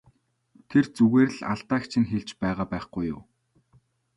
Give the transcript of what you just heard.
Тэр зүгээр л алдааг чинь хэлж байгаа байхгүй юу!